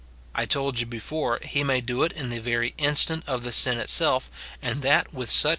I told you before, he may db it in the very instant of the sin itself, and that with such * Psa.